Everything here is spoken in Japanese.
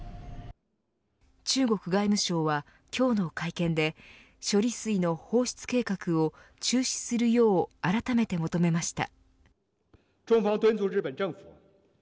中国外務省は今日の会見で処理水の放出計画を中止するようあらためて求めました。